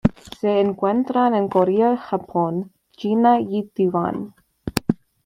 Se encuentra en Corea, Japón, China y Taiwán.